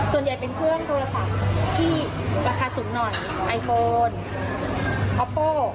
ส่วนใหญ่เป็นเครื่องโทรศัพท์ที่ราคาสูงหน่อยไอโฟนออปโป้